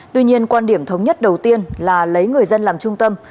tuy nhiên quan điểm thống nhất đầu tiên là lấy người dân làm trung tâm